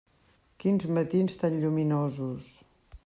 Quins matins tan lluminosos.